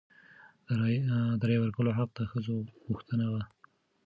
د رایې ورکولو حق د ښځو غوښتنه وه.